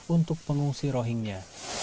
untuk pengungsi rohingya